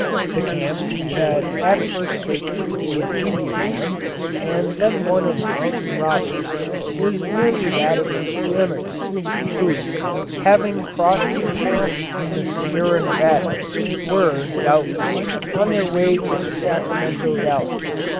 The camp we had at first taken to be an Indian one, and then one of mountain robbers, was merely that of a few emigrants, who, having crossed the pass in the Sierra Nevada, were, doubtless, on their way to the Sacramento Valley.